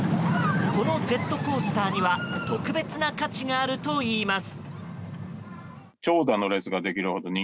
このジェットコースターには特別な価値があるといいます。